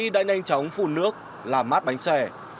lấy nhanh chóng phun nước làm mát bánh xe